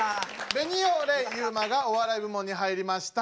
ベニオレイユウマがお笑い部門に入りました。